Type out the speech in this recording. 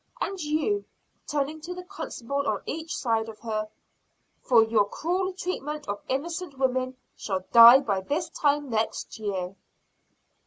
And you," turning to the constables on each side of her, "for your cruel treatment of innocent women, shall die by this time next year!"